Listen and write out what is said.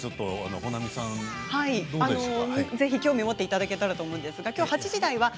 ぜひ興味を持っていただけたらと思います。